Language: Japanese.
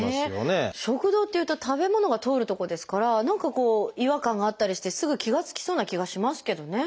食道っていうと食べ物が通るとこですから何かこう違和感があったりしてすぐ気が付きそうな気がしますけどね。